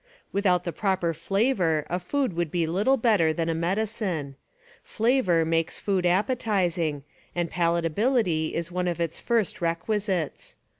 Without the proper flavor a food would be little better than a medicine. Flavor makes food appetizing, and palatability is one of its first requisites.